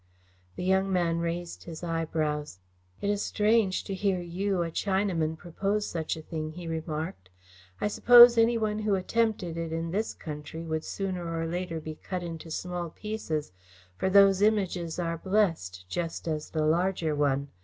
The young man raised his eyebrows. "It is strange to hear you, a Chinaman, propose such a thing," he remarked. "I suppose any one who attempted it in this country would sooner or later be cut into small pieces, for these Images are blessed just as the larger one.